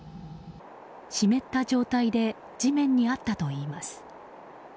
湿った状態で地面にあったといいます。